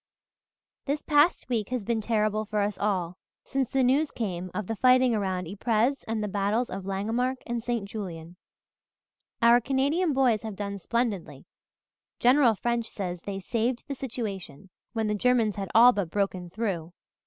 "This past week has been terrible for us all, since the news came of the fighting around Ypres and the battles of Langemarck and St. Julien. Our Canadian boys have done splendidly General French says they 'saved the situation,' when the Germans had all but broken through.